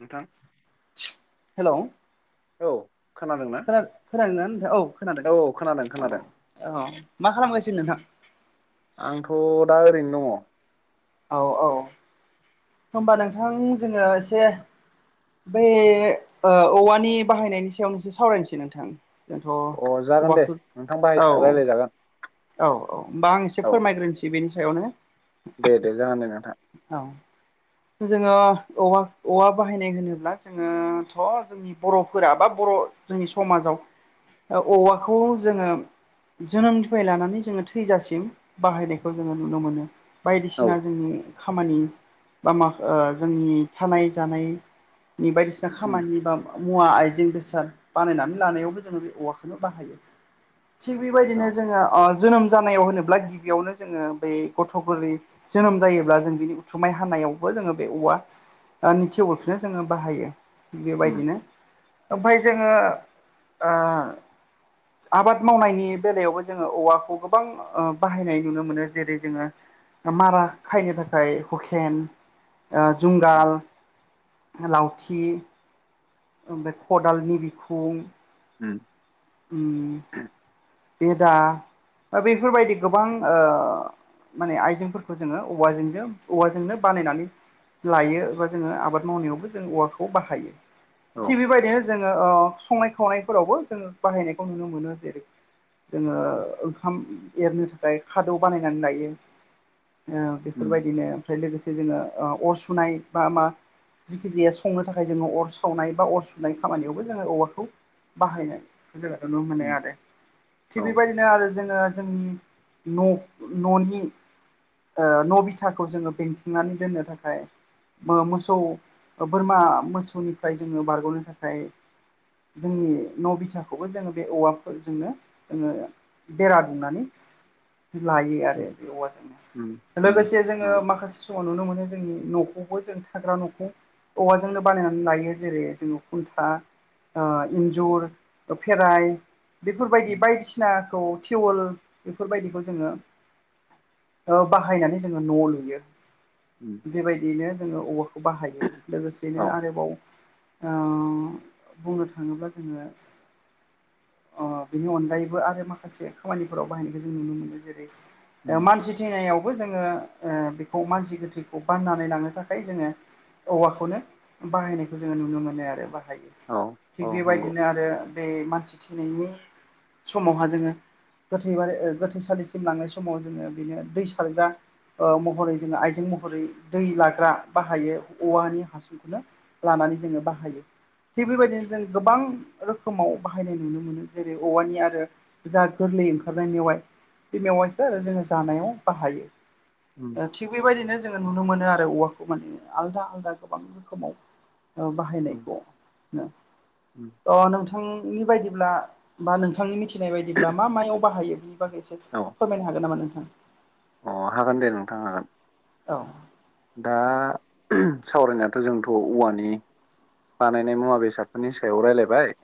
नोंथां हेल' औ खोनादोंना खोना खोनादों ना नोंथां औ खोनादों औ मा खालामगासिनो नोंथां? आंथ' दा ओरैनो दङ'। औ औ। होमबा नोंथां जोङो एसे बै ओ औवानि बाहायनायनि सायावनो एसे सावरायनोसै नोंथां। जोंथ' दङ अ जागोन दे औवाखो नोंथां बाहाय औ। रायलायजागोन औ औ होमबा आं एसे औ फोरमायग्रोनोसै बेनि सायावनो। दे दे जागोन दे नोंथां। औ जोङो औ औवा बाहायनाय होनोब्ला जोङोथ' जों नि बर'फोरा बा बर' जोंनि समाजाव ओ औवाखौ जोङो जोनोम फाय लानानै जोङो थैजासिम बाहायनायखौ जोङो नुनो मोनो। औ बायदिसिना जोंनि खामानि बा मा ओ जोंनि थानाय जानाय नि बायदिसिना उम खामानि बा मुवा आइजें बेसाद बानायनानै लानायावबो जोङो बे औवाखोनो बाहायो थिग बेबायदिनो औ जोङो ओ जोनोम जानायाव होनोब्ला गिबियावनो जोङो बै गथ' गोरलै जोनोम जायोब्ला जों बिनि उथुमाय हानायावबो जोङो बे औवा नि थेवोलखौनो जोङो बाहायो थिग उम बेबायदिनो ओमफाय जोङो ओ आबाद मावनायनि बेलायावबो जोङो औवाखौ गोबां ओ बाहायनाय नुनो मोनो जेरै जोङो ओ मारा खायनो थाखाय हुखेन, ओ औ जुंगाल लावथि ओमफ्राय खदालनि बिखुं उम उम। बेदा ओ बेफोर बायदि गोबां ओ माने आयजेंफोरखौ जोङो औवाजोंजों औवाजोंनो बानायनानै लायो एबा जोङो आबाद मावनायावबो जों औवाखौ बाहायो। औ थिग बेबायदिनो जोङो ओ संनाय खावनायफोरावबो जोङो बाहायनायखौ नुनो मोनो जेरै जोङो उम ओंखाम एरनो थाखाय खादौ बानायनानै लायो। ओ बेफोर बायदिनो ओमफ्राय लोगोसे जोङो अर सुनाय बा मा जेखिजाया संनो थाखाय जोङो अर सावनाय बा अर सुनाय खामानियावबो जोङो औवाखौ बाहायनायखौ जोंखौ नुनो मोनो उम आरो। औ थिग बेबायदिनो आरो जोङो जोंनि न'- न'नि ओ न' बिथाखौ जोङो बेंथिंनानै दोननो थाखाय मो-मोसौ ओ बोरमा मोसौनिफ्राय जोङो बारग'नो थाखाय जोंनि न' बिथाखौबो जोङो बे औवाफोरजोंनो जोङो बेरा दुमनानै लायो आरो बे उम औवाजोंनो। उम लोगोसे जोङो नंगौ माखासे समाव नुनो मोनो जोंनि न'खौबो जों थाग्रा न'खौ औवाजोंनो बानायनानै लायो जेरै जोङो खुन्था ओ इन्जुर ओ फेराइ बेफोर बायदि उम बायदिसिनाखौ थिवोल बेफोर बायदिखौ जोङो ओ बाहायनानै जोङो न' लुयो। उम। बेबायदियैनो जोङो औवाखौ बाहायो लोगोसेनो औ आरोबाव ओ बुंनो थाङोब्ला जोङो ओ बेनि अनगायै दायोबो आरो माखासे खामानिफोराव बाहायनायखो जों नुनो मोनो जेरै ओ उम मानसि थैनायावबो जोङो ओ बेखौ मानसि गोथैखौ बाननानै लांनो थाखाय जोङो औवाखौनो बाहायनायखौ जोङो नुनो मोनो आरो बा हायो औ औ थिग नंगौ बेबायदिनो आरो बे मानसि थैनायनि समावहा जोङो गोथै बारि ओ गोथैसालिसिम लांनाय समाव जोङो बिनो दै सारग्रा ओ महरै जोङो आइजें महरै दै लाग्रा बाहायो औवानि हासुं खौनो लानानै जोङो बाहायो। थिग बेबायदिनो जों गोबां रोखोमाव बाहायनाय नुनो मोनो जेरै औवानि आरो जा गोरलै ओंखारनाय मेवाइ बे मेवाइखौ आरो जोङो जानायाव बाहायो। उम ओ थिग बेबायदिनो जोङो नुनो मोनो आरो औवाखौ माने आलदा आलदा गोबां रोखोमाव उम बाहायनायखौ उम थ' नोंथांनि बायदिब्ला बा नोंथां नोंथांनि मिथिनाय बायदिब्ला मा मायाव बाहायो बिनि बागैसो औ फोरमायनो हागोन नामा नोंथां? अ हागोन दे नोंथांनो हागोन औ दा सावरायनायाथ' जोंथ' औवानि बानायनाय मुवा बेसादफोरनि सायाव रायज्लायबाय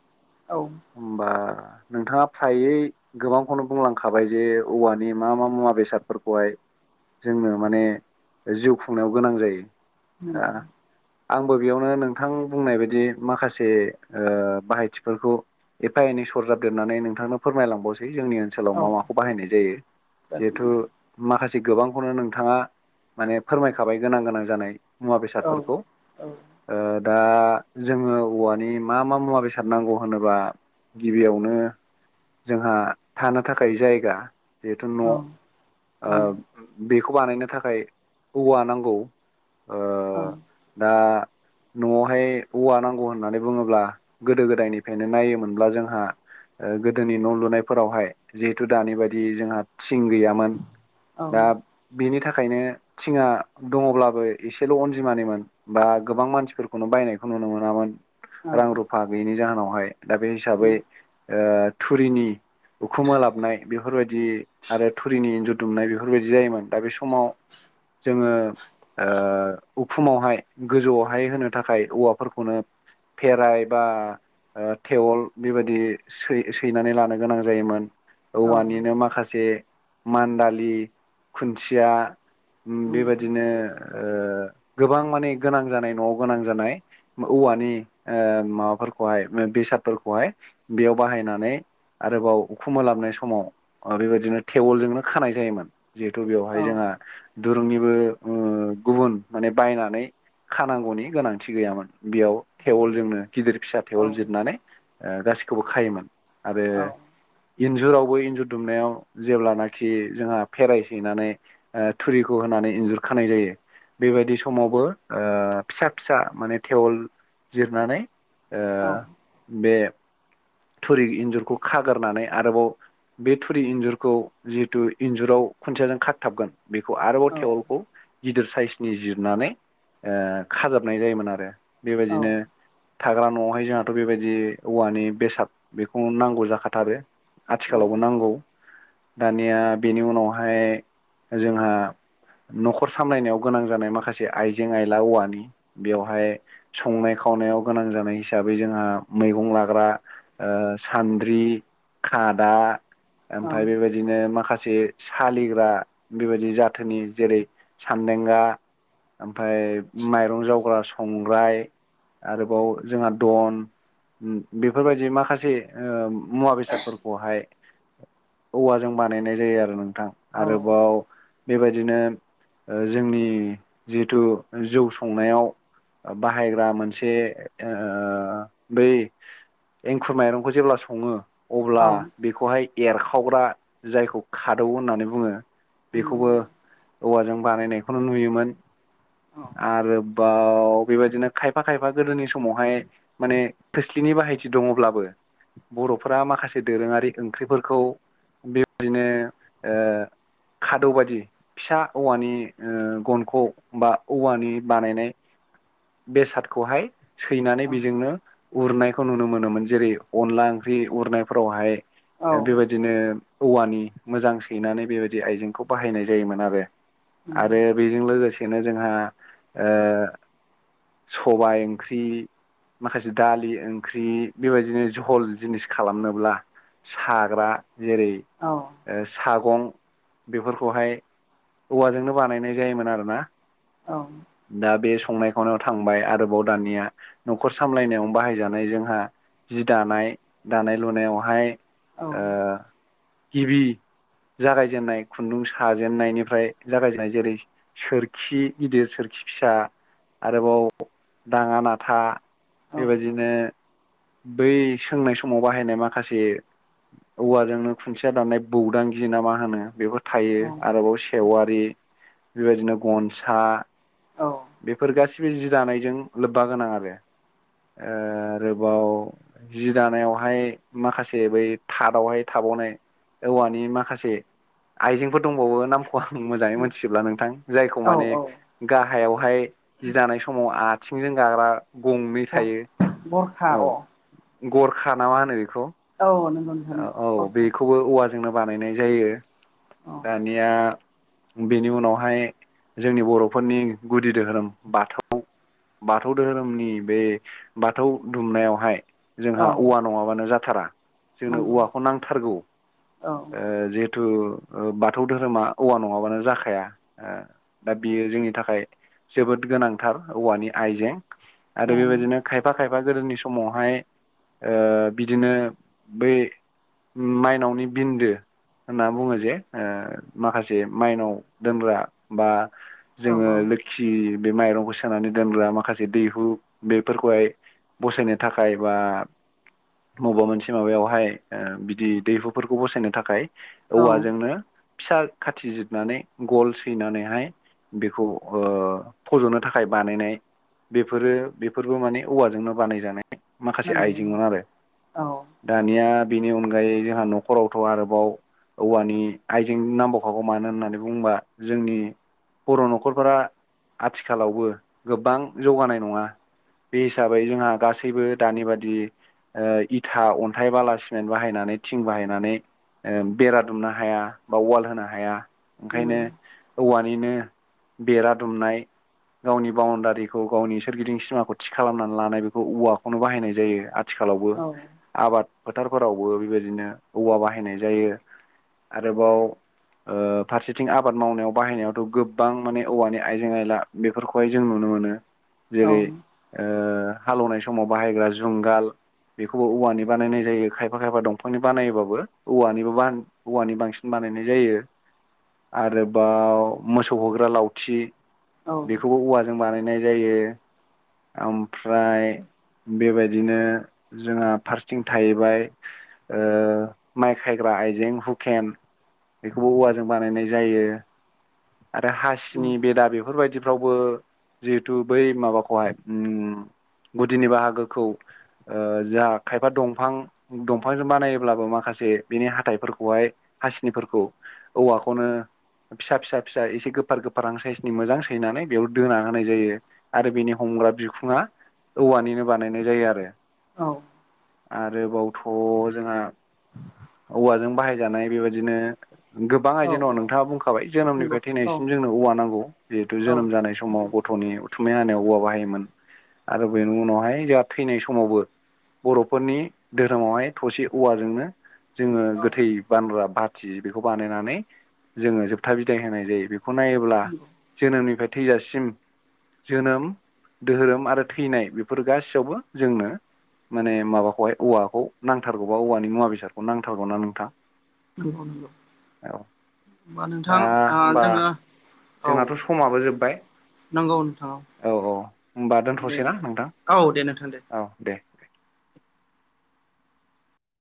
औ होमबा नोंथाङा फ्रायै गोबांखौनो बुंलांखाबाय जे औवानि मा मा मुवा बेसादफोरखौहाय जोंनो माने जिउ खुंनायाव गोनां जायो दा नंगौ आंबो बेयावनो नोंथां बुंनाय बायदि माखासे ओ बाहायथिफोरखौ एफा एनै सरजाब देरनानै नोंथांनो फोरमायलांबावसै जोंनि ओ ओनसोलाव औ मा माखौ बाहायनाय जायो जागोन जिहेथु नोंथां माखासे गोबांखौनो नोंथाङा माने फोरमायखाबाय गोनां गोनां जानाय मुवा औ बेसादफोरखौ औ ओ दा जोङो औवानि मा मा मुवा बेसाद नांगौ होनोबा गिबियावनो जोंहा थानो थाखाय जायगा जिहेथु औ न' औ बेखौ बानायनो थाखाय औवा नांगौ ओ ओं दा न'आवहाय औवा नांगौ होननानै बुङोब्ला गोदो गोदायनिफ्रायनो नायोमोनब्ला जोंहा गोदोनि न' लुनायफोरावहाय जिहेथु दानि बायदि जोंहा थिं गैयामोन। औ नंगौ दा बेनि थाखायनो थिङा दङब्लाबो एसेल' अनजिमानिनो बा गोबां मानसिफोरखौनो बायनायखौ नुनो मोनामोन। रां रुफा गैयिनि जाहोनावहाय दा बे हिसाबै ओ थुरिनि उखुमा लाबनाय बेफोरबायदि आरो थुरिनि इनजुर दुमनाय बेफोरबायदि जायोमोन दा बे समाव जोङो ओ उखुमावहाय गोजौआवहाय होनो थाखाय औवाफोरखौनो फेरायबा ओ थेवल बेबायदि सै सैनानै लानो गोनां जायोमोन औवानिनो माखासे मान्दालि खुन्थिया बेबायादिनो [inaudible] गोबां माने गोनां जानाय न'आव गोनां जानाय औवानि ओ माबाफोरखौहाय बेसादफोरखौहाय बेयाव बाहायनानै आरोबाव उखुमोलाबनाय समाव बेबायदिनो थेवलजोंनो खानाय जायोमोन जिहेथु औ बेयावहाय जोंहा दुरुंनिबो गुबुन माने बायनानै खानांगौनि गोनांथि गैयामोन बेयाव औ थेवल जोंनो गिदिर फिसा औ नंगौ औ थेवल नंगौ औ जिरनानै गासिखौबो खायोमोन। आरो इन्जुरावबो इन्जुर दुमनायाव जेब्लानाखि जोंहा फेराय सैनानै थुरिखौ होनानै इन्जुर खानाय जायो। बेबायदि समावबो ओ फिसा फिसा माने थेवल जिरनानै ओ बे थुरि इन्जुरखौ खागारनानै आरोबाव बे थुरि इनजुरखौ जिहेथु इनजुराव खुन्थियाजों खाथाबगोन बेखौ आरोबाव थेवलखौ गिदिर साइसनि जिरनानै खाजाबनाय जायोमोन आरो बेबायदिनो थाग्रा न'वावहाय जोंहाथ' बेबायदि औवानि बेसाद बेखौ नांगौ जाखाथारो आथिखालावबो नांगौ दानिया बेनि उनावहाय जोंहा न'खर सामलायनायाव गोनां जानाय माखासे आइजें आइला औवानि बेवहाय संनाय खावनायाव गोनां जानाय हिसाबै जोंहा मैगं लाग्रा सान्द्रि खादा औ ओमफाय बेबायदि बिदिनो माखासे सालिग्रा बेबायदि जाथोनि जेरै सान्देंगा ओमफाय माइरं जावग्रा संग्राय आरोबाव जोंहा दन बेफोरबायदि माखासे माखासे मुवा बेसादफोरखौहाय औवाजों बानायनाय जायो आरो नों थां औ आरोबाव बेबायदिनो जोंनि जिहेथु जौ संनायाव बाहायग्रा मोनसे बै एंखुर माइरंखौ जेब्ला सङो अब्ला बेखौहाय एरखावग्रा जायखौ खादौ होननानै बुङो बेखौबो औवाजों बानायनायखौनो नुयोमोन आरो बा बेबायदिनो खायफा खायफा गोदोनि समावहाय माने खोस्लिनि बाहायथि दङब्लाबो बर'फ्रा माखासे दोरोङारि ओंख्रिफोरखौ बेबायदिनो खादौ बायदि फिसा औवानि गनखौ बा औवानि बानायनाय बेसादखौहाय सैनानै बेजोंनो उरनायखौ नुनो मोनोमोन जेरै अनला ओंख्रि उरनायफोरावहाय बेबायदिनो औवानि मोजां सैनानै बेबायदि आइजेंखौ बाहायनाय जायोमोन आरो आरो बेजों लोगोसेनो जोंहा सबाय ओंख्रि माखासे दालि ओंख्रि बेबायदिनो झहल जिनिस खालामनोब्ला साग्रा जेरै सागं बेफोरखौहाय औवाजोंनो बानायनाय जायोमोन आरोना दा बे संनाय खावनायाव थांबाय आरोबाव दानिया न'खर सामलायनायाव बाहायजानाय जों जि दानाय दानाय लुनायावहाय गिबि जागायजेननाय खुन्दुं साजेननायनिफ्राय जागायजेननाय जेरै सोरखि गिदिर सोरखि फिसा आरोबाव दाङानाथा बेबायदिनो बै सोंनाय समाव बाहायनाय माखासे औवाजोंनो खुनथिया दाननाय बौदांगि ना मा होनो बेखौ थायो आरोबाव सेवारि बेबायदिनो गनसा औ बेफोर गासिबो जि दानायजों लोब्बा गोनां आरो आरोबाव जि दानायावहाय माखासे बै थादावहाय थाबावनाय औवानि माखासे आइजेंफोर दंबावो नामखौ आं मोजाङै औ मोनथिजोबला नोंथां जायखौ माने गाहायावहाय जि दानाय समाव आथिंजों गाग्रा गंनै औ थायो गरखा अ औ गरखा ना मा होनो बेखौ औ नों औ बेखौबो औवाजोंनो बानायनाय जायो औ दानिया बेनि उनावहाय जोंनि बर'फोरनि गुदि दोहोरोम बाथौ बाथौ दोहोरोमनि बे बाथौ दुमनायावहाय औ जोंहा औवा नङाबानो जाथारा जोंनो नंगौ औवाखौ नांथारगौ। औ ओ जिये थ' बाथौ दोहोरोमा औवा नङाबानो जाखाया ओ दा बेयो जोंनि थाखाय जोबोद गोनांथार औवानि आइजें औ आरो बेबायदिनो खायफा खायफा गोदोनि समावहाय ओ बिदिनो बे माइनावनि बिन्दो होनना बुङो जे ओ माखासे माइनाव दोनग्रा बा औ जोङो लोक्षि बे माइरंखौ सोनानै दोनग्रा माखासे दैहु बेफोरखौहाय बसरनि थाखाय बा मुबा मोनसे माबायावहाय ओ बिदि दैहुफोरखौ बसायनो थाखाय औ औवाजोंनो फिसा खाथि जिरनानै गल सैनानैहाय बेखौ फज'नो थाखाय बानायनाय बेफोरो बेफोरबो माने औवाजोंनो बानाय जानाय माखासे नंगौ आइजेंमोन आरो औ दानिया बिनि अनगायै जोंहा नखरावथ' आरोबाव औवानि आइजें नांबावखागौ मानो होननानै बुंबा जोंनि बर' न'खरफोरा आथिखालावबो गोबां जौगानाय नङा। बे हिसाबै जोंहा गासैबो दानि बादि ओ इथा अन अन्थाय बाला सिमेन्ट बाहायनानै थिं बाहायनानै ओ बेरा दुमनो हाया बा वाल होनो हाया नंगौ ओंखायनो औवानिनो बेरा दुमनाय गावनि बाउण्डारिखौ गावनि सोरगिदिं सिमाखौ थि खालामनानै लानाय बेखौ औवाखौनो बाहायनाय जायो आथिखालावबो औ औ आबाद फोथारफोरावबो बेबायदिनो औवा बाहायनाय जायो आरोबाव ओ फारसेथिं आबाद मावनायाव बाहायनायावथ' गोबां माने औवानि आइजें आइला बेफोरखौहाय जों नुनो मोनो। औ जेरै ओ हाल एवनाय समाव बाहायग्रा जुंगाल बेखौबो औवानि बानायनाय जायो खायफा खायफा दंफांनि बानायोबाबो औवानिबो बा औवानि बांसिन बानायनाय जायो। आरोबाव मोसौ हग्रा लावथि औ नंगौ औ नंगौ बेखौबो औवा जों बानायनाय जायो। ओमफ्राय बेबायदिनो जोंहा फार थिं थाहैबाय ओ माइ खायग्रा आइजें हुकेन बेखौबो औवाजों बानायनाय जायो आरो हासिनि औ नंगौ बेदा बेफोरबायदिफ्रावबो जिहेथु बै माबाखौहाय उम गुदिनि बाहागोखौ ओ जोहा खायफा दंफां दंफांजों बानायोब्लाबो माखासे बिनि हाथाइफोरखौहाय हासिनिफोरखौ औवाखौनो फिसा फिसा फिसा एसे गोफार गोफारहां साइसनि मोजां सैनानै बेयाव दोना होनाय जायो आरो बिनि हमग्रा बिखुङा औवानिनो बानायनाय जायो आरो औ आरोबावथ' जोंहा औवाजों बाहायजानाय बेबायदिनो गोबां आइजें दङ नोंथाङा बुंखाबाय जोनोमनिफ्राय नंगौ थैनायसिम जोंनो औवा नांगौ जिहेथु जोनोम जानाय समाव ग गथ'नि उथुमै हानायाव औवा बाहायोमोन आरो बेनि उनावहाय जाहा थैनाय समावबो बर'फोरनि धोरोमावहाय थसे औवाजोंनो जोङो गोथै बानग्रा बाथि बेखौ बानायनानै जोङो जोबथा बिदाय होनाय जायो बेखौ नायोब्ला जोनोमनिफ्राय थैजासिम जोनोम दोहोरोम आरो थैनाय बेफोर गासियावबो जोंनो माने माबाखौहाय औवाखौ नांथारगौ बा औवानि मुवा बेसादखौ नांथारगौ ना नोंथां? नंगौ नंगौ औ ओनबा दा नोंथां ओ होमबा जोङो जोंनाथ' समाबो जोब्बाय नोंगौ नोंथां औ दे ओमबा नोंथां औ दे नोंथां दे औ दे